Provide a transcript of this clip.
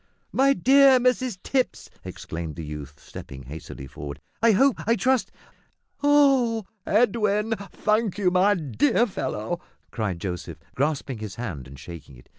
"My dear Mrs Tipps," exclaimed the youth, stepping hastily forward, "I hope I trust " "Oh, Edwin thank you, my dear fellow," cried Joseph, grasping his hand and shaking it.